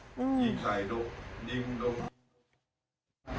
ยิงใส่ดกยิงดก